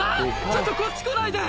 ちょっとこっち来ないで！